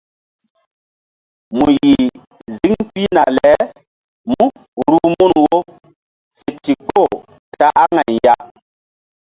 Mu yih ziŋ pihna le mú ruh mun wo fe ndikpoh ta aŋay ya.